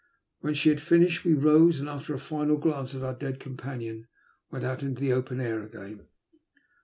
When she had finished, we rose, and, after a final glance at our dead companion, went out into the open air again.